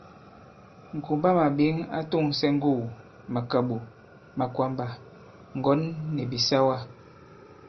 Ŋ̀kumbamàɓěŋ a tòŋsɛ ŋgugù, màkàɓò, makwàmbà, ŋgɔ̌n nì bìsawa.